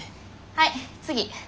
はい次。